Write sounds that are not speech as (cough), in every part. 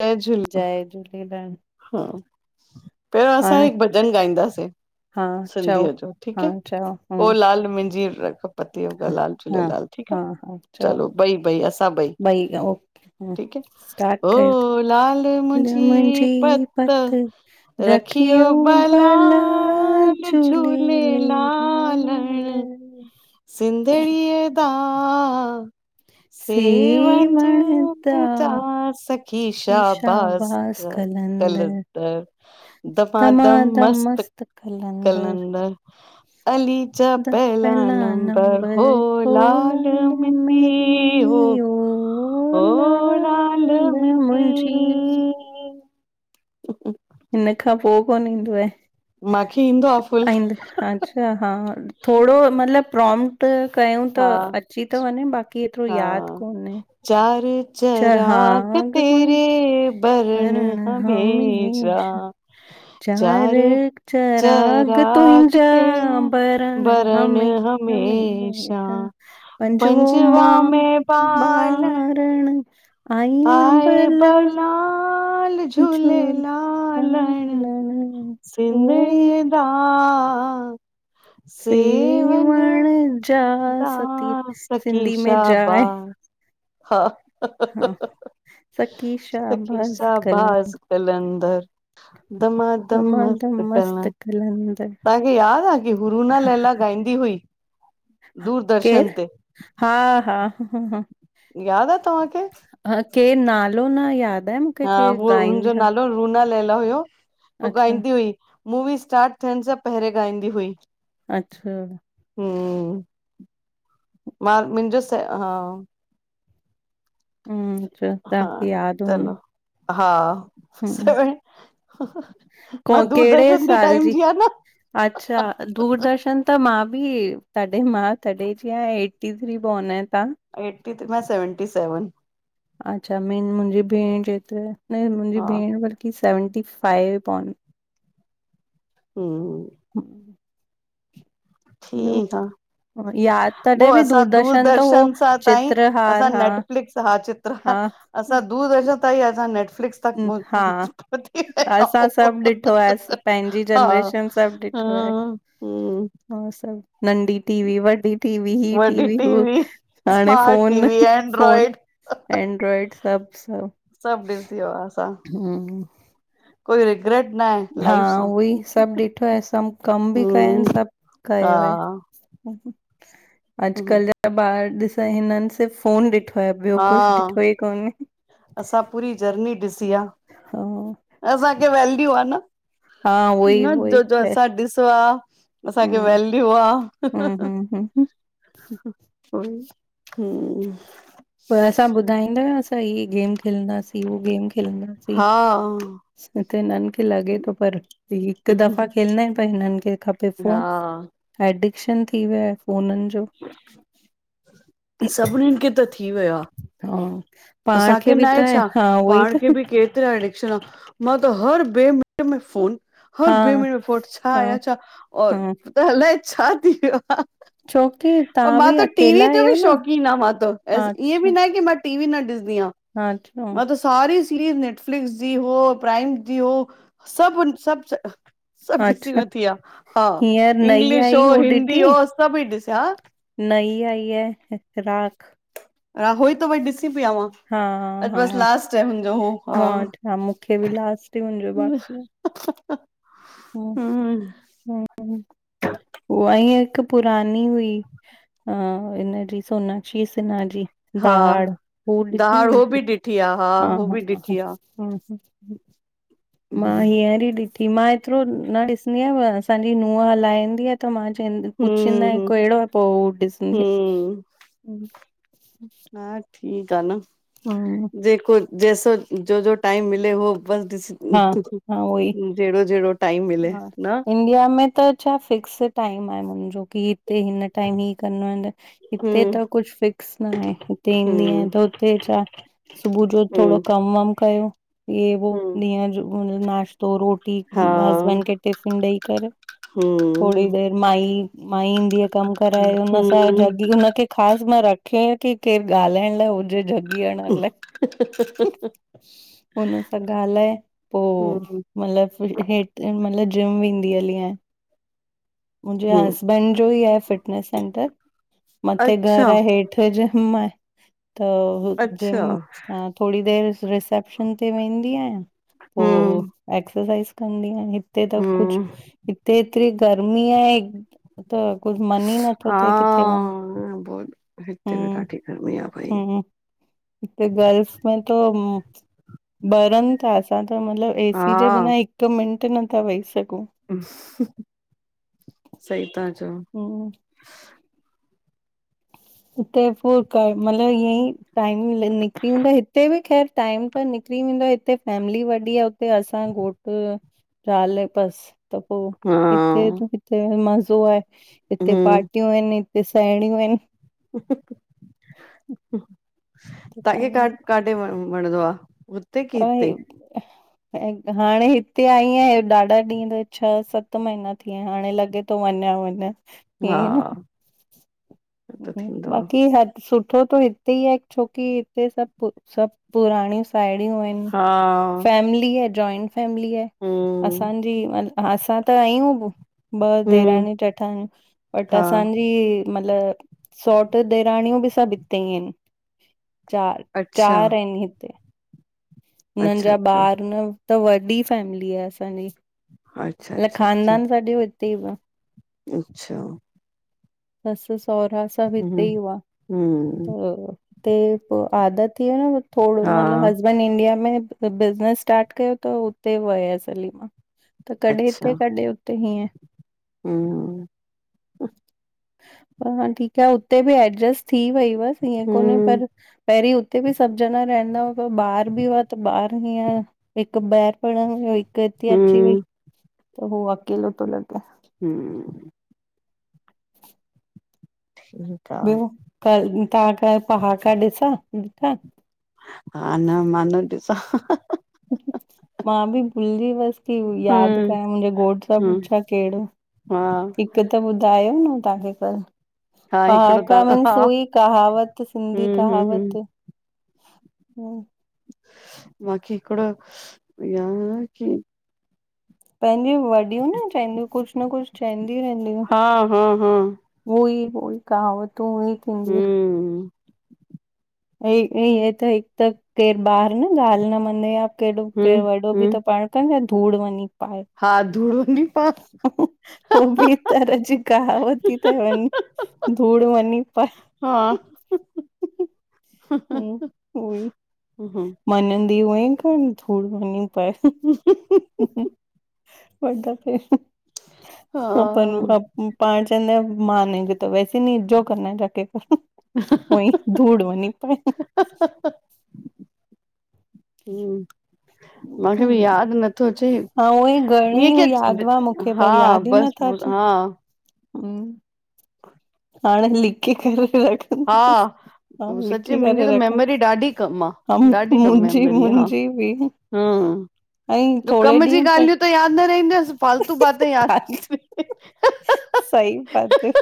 जय झूले जय झूलेलाल। हा पहिरियों असां हाणे हिक भॼन ॻाईंदासें। हा चओ सिंधीअ जो हा ठीक ए चओ ह ओ लाल मी ल (unintelligible) हा झूलेलाल ठीकु आहे चलो बई -बई बई गाउ स्टाट् ओ लाल कयो। न मुंहिंजी मुजंइ। पत रखियो भला बलाल झूले लाल झूलेलालण सिंधड़ीअदा (inaudible) सेवंज सेवण ता जा थी सखीशा भास शाबास कलंदर दमादम मस्त कलंदर अली जा दस पहला पहिलान ब हो नंबर ओ लाल मीॅजी हो मेरी ओ होओ लाल मींजी। ह ह (inaudible) हिन खां पोइ कोन ईंदो मांखे ईंदो आहे। आ फुल (unintelligible) अच्छा हा थोरो मतलब प्रोमट। कयूं त हा अची तो वञे। बाक़ी एतरो हा याद कोने। चार चहाग चराग म तेरे कररण हमेशा। चार चराग तुंहिंजा भरण बरन हमे हमेशा पंजो पंजवा मां में बाल ॿारण आया आए भला बला (unintelligible) झूलालण झूलेलालण ओ सिंधड़ीअ दा। आ आ। सेवंग सेवण जा दा सती सखी सिंधी में शााबा जाए ह ह ह हा ह सकी शाहबाज़ सखीशा कलंद बास कलंदर। दमादम दमाद मस्त कल कलंदर तव्हांखे याद आ कि हुरूना लैला गाईंदी हुई। ही केर हा हा ह ह ह। याद आ तव्हांखे? के नालो न याद। हा हू हुनजो नालो रूना लैला। (unintelligible) अच्छा, गाईंदी हुई मूवी स्टार्ट थियण सां पहिरें गाईंदी हुई। अच्छा हम्म मां मुंहिंजो स हा हम्म अच्छा हा तव्हांखे याद हूं चलो हा, सेविन ह ह मां को कहिड़े दूरदर्शन जे साल टाइम जी आयां न अच्छा दूरदर्शन त मां (unintelligible) तॾहिं मां तॾहिं जीअं एटी थ्री बॉन आयां तव्हां एटी त मां सेवनटी सेवन अच्छा, म मुंहिंजी भेण जेतिरो मुंहिंजी हा भेण बरकीस सेवेंटी फ़ाइव बानृ हम्म (inaudible) ॿियो ठीकु आ अ, यादि तॾहिं पोइ बि असां त हो दूरदर्शन सां ताईं चित्रहार असां हा, नेटफ्लिक्स हा चित्र हा, असां दूरदर्शन तां ई असां नेटफ्लिक्स तक हा, पहुची विया असां सभु ॾिठो आहे पंहिंजी हा जनरेशन सभु ॾिठो आहे, हम्म हम्म उ सभु (inaudible) नंढी टीवी वॾी टीवी ही टीवी हू हाणे smart phone TV phone Android Android सभ सभ सभु ॾिसी वियोआ असां कोई रिग्रेट न आहे हा लाइफ सां उहो ई सभु ॾिठो आहे सभु कम बि कया आहिन हम्म सभु हा कयो आहे ह हू अॼकल्ह जा ॿार ॾिस त हिननि सिर्फ फोन ॾिठो आहे ॿियो हा कुझु ॾिठो ई कोने असां पूरी जर्नी ॾिसी आ, हा असांखे वैल्यू आ न हा उहोई न उहोई जो वे- जसां ॾिसो आह असांखे वैल्यू आह हं हं हं ओय हम् त हीअ गेम खेलंदासीं उहो गेम खेलंदासीं हा हि ते हिननि खे लॻे थो पर हिकु दफ़ा खेलंदा पर हिननि खे खपे हा फोन एडिक्शन थी वियो आहे फोननि जो सभिनिन खे त थी वियो आहे हा पाण असांखे खे न बि त आहे छा, हा उहो ई पाण त खे बि केतिरा एडिक्शन मां त हर ॿ मिनट में फ़ोन हर हा ॿे मिनट में फोट छा हा आया छा और हा अलाए छा थी वियो छोकी आ तव्हां मां बि त अकेला टीवी जो आहियो बि न शौंक़ीन आ मां त हा इएंं अच्छा बि न आहे की मां टी वी न ॾिसंदीय आ हा अच्छा मां त सारी (unintelligible) नेटफ्लिक्स जी हो प्राइम जी हो सभ सभ सभ ॾिसी अच्छा लथीआ हा हींअर नई इंग्लिश आई हो, हू हिंदी ॾिठी हो सभ ई ॾिसां ह नई आई आहे राख (unintelligible) राहोई त व ॾिस हा हा हा हुनजो हो हा मां था मूंखे बि लास्ट ही मुंहिंजोबार जी (unintelligible) ह हम्म ह (inaudible) उ ईंअ हिक पुरानी हुई अ हिन जी सोनाक्षी सिनहा जी हा दहाड़ फूल ॾिसी दहाड़ हुई हो बि ॾिठी आहे हा हो बि हा ॾिठी ह आहे (inaudible) मां हम्म हींअर ई ॾिठी मां- एतिरो न ॾिसंदी आ असांजी नूंहं हलाईंदी आहे त मां पुछींदा (unintelligible) हम्म कहिड़ो पोइ ॾिसंदे- हम्म हा ठीक आह न- (unintelligible) जैसा जो जो टाइम मिले हो बस ॾिस हा हा उहोई (unintelligible) -जहिड़ो जहिड़ो- टाइम मिले हा न इंडिया में त छा फिक्स टाइम आहे मुंहिंजो की- हिते हिन टाइम ही कंदा (unintelligible) हिते हम्म त कुझु फिक्स न आहे हिते ईंदी आहे हम्म त हुते छा सुबुह जो थोडो हम्म कम वम कयो- हे वो हम्म ॾिह जो नाश्तो रोटी (unintelligible) (unintelligible) हा हिंनन खे टिफिन ॾेई करे थोरी हम्म देर माई माई ईंदी (inaudible) कम कराए हुन सां हम्म जगियूं हुनखे ख़ासि मां रखे रखि केर ॻाल्हाइण लाइ हुजे (inaudible) ॻीयन (unintelligible) (unintelligible) हुन सां ॻाल्हाए पो हम्म मतलब (unintelligible) हिंन मैल जिम वेंदी हली आयां मुंहिंजे हम्म हसबैंड जो ही आहे फिटनेस सेंटर- मते घर अच्छा आहे हेठ जिम आहें। त अच्छा जिम थोरी देरि रिसेप्शन ते वेंदी आहियां- हम्म पोइ एक्सरसाइज़ कंदी आहिय हिते त कुझु हम्म हिते हेएतिरी- गर्मी आहे- (inaudible) त कुझु मन ई नथो हा थिए किथे वञ बोल (inaudible) हिते बि हम ॾाढी गर्मी आ भई हम- हिते गर्ल्फ में तो - बरनि था असां त मतलब एसी जे बिना हा हिक मिंट नथा वेही सघूं। (unintelligible) सही (unintelligible) हुम्म - (unintelligible) कर मतलब ईअ ई टाइम निकिरी वूंदो हिते बि ख़ैर टाइम त - (unintelligible) फैमली मिली वॾी आहेते असां घोट ज़ाल बस। त पो हा हिते हिते मज़ो आहे हिते पार्टियूं आहिनि- हिे साहेणियूं आहिनि- ताके (unintelligible) (unintelligible) (unintelligible) (unintelligible) हाणे हिते आईं आीं ॾाढा ॾींहं त छह सत महीना थी विया आहिनि हाणे लॻे थो (unintelligible) हा त थींदो आ (unintelligible) (unintelligible) हिते ई आहे छोकी हिते सब सब पुराणी (unintelligible) सांइडयू आहिन, हा फेमली ए जोइन्ट फेमिली ए हम्म, असान्जी असां त आहियूं ॿ हम्म, देराणी-जेठाणीयू बट हा, असांजी मतलब सौट्र देराणियूं भी सभ हितेइ हिन चार अच्छा, चार (unintelligible) हिते हुननि अच्छा, जा अच्छा, ॿार न त, वॾी फैमिली आहे असांजी अच्छा, (unintelligible) अच्छा, अच्छा, ख़ानदान सॼे हुते ई व अच्छा। सस सहुरा सब हम्म, हितेई हुआ हम्म, (unintelligible) ते पो आदत थियो न (unintelligible) थोड़ो हा, मतिलब हसबैंड इंडिया में- (unintelligible) बिज़नस स्टार्ट कयो त हुते वयस हली मां- त कॾहिं अच्छा, हिते, कॾहिं हुते हिय- हम्म (unintelligible) हा ठीक आहे उते बि एडजस्ट- थी वई हुअस ईअं कोने हम्म, पर पहिरीं हुते बि सभ ॼणा रहंदा हुआ ॿार बि हुआ त बार। हियर हिकु बैर प़रण वई हिकु हिते अची वई हम्म, त हो अकेलो तो लगे। हूं ठीकु आ, ॿियो क तव्हांका पहाका ॾिसां - हा न मां न ॾिसा- भुलजी वयस की याद हम्म, कां मुंहिंजे घोट सां हम्म, पुछां कहिड़ेो? हा, हिक त ॿुधायो न तव्हांखे कल। हा हिकिड़ो पहाका त हा, मनसूई कहावत सिंधी हम्म, हम्म, कहावत। हम्म, हम (inaudible) माखे हिकड़ो (unintelligible) या की पंहिंजन वॾियूं न चेदियूं कुछ न कुछ चहंदी रहंदियू, हा, हा, हा, उहो ई। उहो ई कहावतूं ई (unintelligible) थींदी। हम्म, (unintelligible) त इंय त हिक त (unintelligible) केर बार न गाल्ह न मञे या हम्म, केॾो बि हम्म, त पाय ता न धूड़ वञी। पाए हा धूड़ वनी पा। उ बि तर जी कहावत (unintelligible) थीी त धूड़ वनी पाय। हा, हूं ऊई हम्म मनंदी उअंही कानधूड (unintelligible) हा, ह प पाणचन (inaudible) मानेगी तो वैसे नी जो करना है जाकर कर। उई धूड़ वनी पाए। हम। (inaudible) (inaudible) मांखे बि याद नथो अच्चे। हा उअई घणेई याद हूंदा मूंखे पर हा याद ई बसि नथा अचन। हा ह हाणें लिक्की करे हा। रखंदसि हा पो सच्ची लिखी मुंहिंजी करे त रखंद मेमरी ॾाढी कम आ। हा ॾाढी कम मुंहिंजी मेमरी आह। मुंहिंजी बि हंअ ऐं जो थोरे कम जी ॾींहं पै ॻाल्हियूं त याद न रहिंदस फालतू बाते याद (unintelligible) रहंद। सही बात हे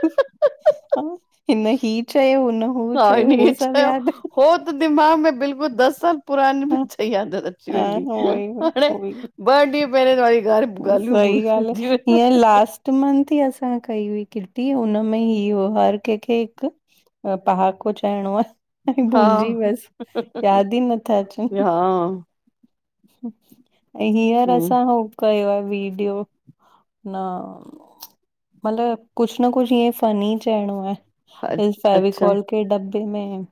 हिन ही चयो। हू हा चयो हिन हे हू सभु चयो। यादि हो त दिमाग़ में बिल्क दस साल पुराणी हा पिक्चर याद रखे हा वेंदी। उहोई हाणे उहोई ॿ ॾींहं पहरां वारी ॻाल्हियूं सही ॻाल्ह आह भुलिजी वेंदो हीअं लास्ट मंथ ई असां। कई हुई किटी हुनमें हियो हर कंहिंखे हिकु पहाको चहणो आहे। हा भुलजी वयस याद ई नथा अचन। हा अंए हियर हम्म असां हो कयो आहे (inaudible) विडियो न। मतलब कुछ न कुछ इएं फनी चइणो आहे अच्छा फेवीकोल खे में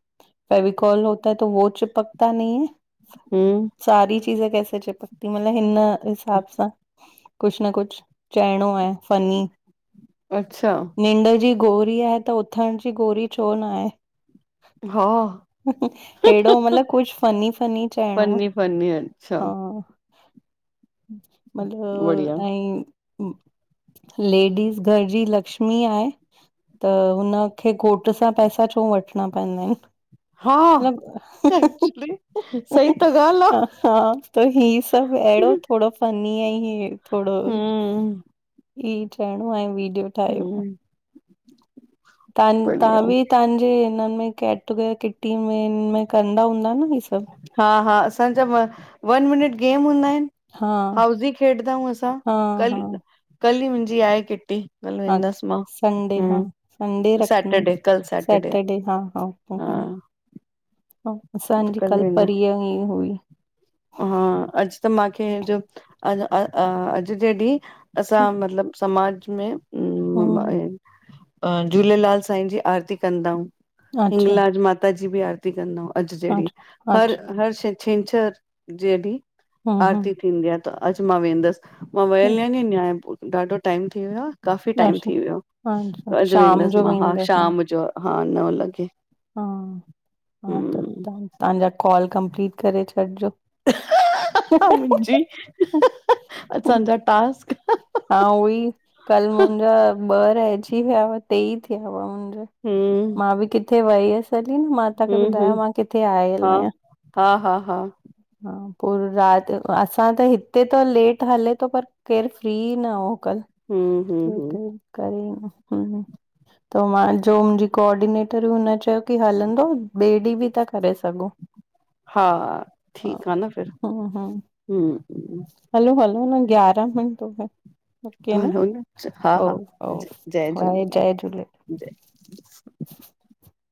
फेवीकॉल होता तो वो चिपकता नहीं है। हूं। सारी चीज़े कैसे चिपकती हैं? मतलब हिन हिसाब सां। कुछ न कुछ चइणो आहे फनीं। अच्छा। गोरी आहे त उथण जी गोरी छो न आहे। हा हेड़ो मतलब कुछ फनी-फनी चइणो आहे। (unintelligible) अच्छा। मतलु बढ़िया (unintelligible) ऐं लेडीस घर जी लक्ष्मी आहे। त हुनखे घोट सां पैसा छो वठणा पवंदा आहिनि? हा एक्चुली सही त (unintelligible) ॻाल्हि आ हा त ही सब अहिड़ो थोडो फनी आहे। ही थोडो हम्म ही ठहणो आहे। वीडियो ठाहियो। हम्म तां तव्हां बढ़िया बि तव्हांजे हिनन में गेट टू गेदर किटी में कंदा हूंदा न। ही सभु? हा हा असांजा व वन मिनट गेम हूंदा आहिनि हा हाउजी खेॾंदाऊं असां हाँ, कल कल ही मुंहिंजी आहे किटी। कल हा वेंदसि मां संडे हा हम्म संडे रखूं सैटरडे कल आ सैटरडे हा हा ह हा त असांजी कल वेंदा परीय ही हुई। हा (unintelligible) अॼु अॼु जे ॾींहुं असां मतलबु समाज में हम्म, (unintelligible) अ झूलेलाल साईं जी आरती कंदाऊं। अच्छा, हिंगलाज माता जी बि आरती कंदा आहियूं अॼु जे ॾीहं अच्छा, हर अच्छा, हर छे छंछर। जॾी हम्म, आरती हम्म, थींदी आहे, त अॼु मां वेंदसि मां वयल हम्म, आहिया न्याु (unintelligible) ॾाढो टाइम थी वियो आ, काफ़ी टाइम अच्छा, थी वियो अच्छा, अॼु शाम वेंदसि जो मां हा वेंदव शाम जो। हा नव लॻे। हा हा त हम्म तव्हांजा कॉल कंपलीट करे छॾिजो। मुंहिंजी, असांजा टास्क। हा उहे ही कल मुंहिंजा ॿ रहिजी विया हुआ तेई थिया हुआ। हम्म मां बि किथे वई हुयसि। तॾहि मां तव्हांखे हम्म ॿुधायो हम्म मां किथे आयल हा आहियां, हा हा हा हा। पोइ राति असां त हिते त लेट हले थो पर केरु फ्री न हो। कल हम्म हम्म हम्म (unintelligible) कल त मां जो मुंहिंजी कोऑर्डिनेटर बि न चयो त हलंदो ॿिए ॾींहुं बि था करे सघूं। हा हा ठीकु आहे न फिर। हम्म हम्म हम्म हलो हलो न ग्यारह हूंदो ह ओके न हम्म हा हा ओओ जय वाहे झूलेलाल जय झूलेलाल। जय (inaudible)